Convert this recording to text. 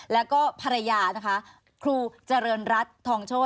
แล้วก็ภรรยานะคะครูเจริญรัฐทองโชธ